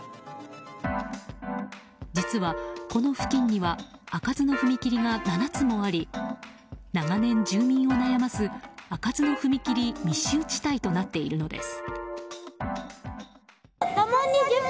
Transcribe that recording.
実はこの付近には開かずの踏切が７つもあり長年、住民を悩ます開かずの踏切密集地帯となっているのです。